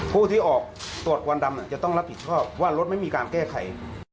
ผู้ที่ออกตรวจควันดำจะต้องรับผิดชอบว่ารถไม่มีการแก้ไข